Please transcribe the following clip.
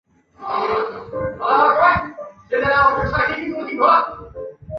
白腹黑啄木鸟为啄木鸟科黑啄木鸟属的鸟类。